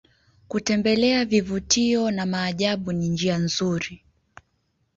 kutembelea vivutio na maajabu ni njia nzuri